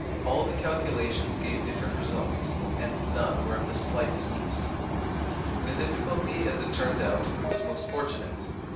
All the calculations gave different results, and none were of the slightest use. The difficulty as it turned out was most fortunate.